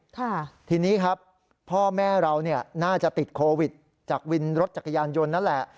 ค่ะทีนี้ครับพ่อแม่เราเนี่ยน่าจะติดโควิดจากวินรถจักรยานยนต์นั่นแหละ